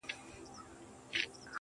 وربــاندي نــه وركوم ځــان مــلــگــرو.